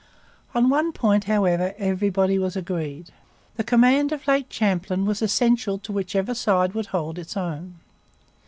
On one point, however, everybody was agreed. The command of Lake Champlain was essential to whichever side would hold its own.